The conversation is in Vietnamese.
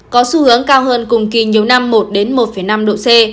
có xu hướng cao hơn cùng kỳ nhiều năm một năm độ c